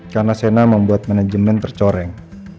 karena sienna membuat manajemen tercoreng